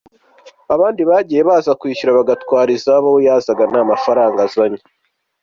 Abandi bagiye baza kwishyura bagatwara izabo, we yazaga nta mafaranga azanye.